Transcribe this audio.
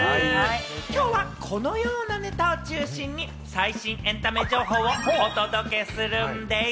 今日はこのようなネタを中心に最新エンタメ情報をお届けするんでぃす！